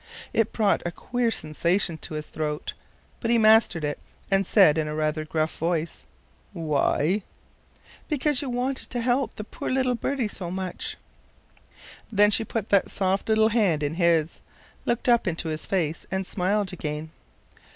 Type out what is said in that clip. It brought a queer sensation in his throat, but he mastered it and said in a rather gruff voice: "Why?" "Because you wanted to help the poor birdie so much." Then she put that soft little hand in his, looked up into his face, and smiled again.